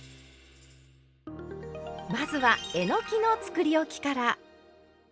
まずはえのきのつくりおきから。